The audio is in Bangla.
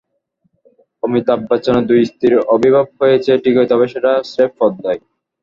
অমিতাভ বচ্চনের দুই স্ত্রীর আবির্ভাব হয়েছে ঠিকই, তবে সেটা স্রেফ পর্দায়।